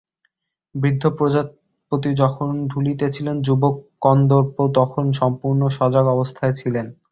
বৃদ্ধ প্রজাপতি যখন ঢুলিতেছিলেন, যুবক কন্দর্প তখন সম্পূর্ণ সজাগ অবস্থায় ছিলেন।